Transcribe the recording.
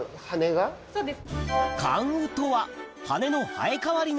そうです。